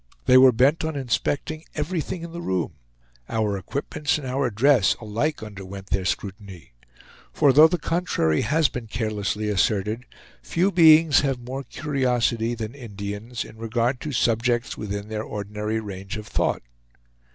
They were bent on inspecting everything in the room; our equipments and our dress alike underwent their scrutiny; for though the contrary has been carelessly asserted, few beings have more curiosity than Indians in regard to subjects within their ordinary range of thought.